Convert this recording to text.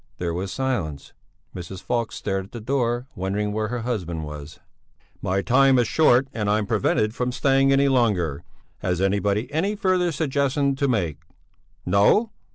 There was silence. Mrs. Falk stared at the door wondering where her husband was. "My time's short and I'm prevented from staying any longer. Has anybody any further suggestion to make? No!